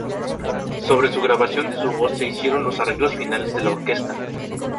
Sobre la grabación de su voz se hicieron los arreglos finales de la orquesta.